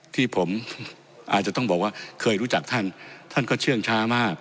ที่ผมอาจจะต้องบอกว่าเคยรู้จักท่านท่านก็เชื่องช้ามาก